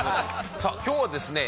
さあ今日はですね